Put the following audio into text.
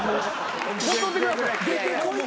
・ほっといてください。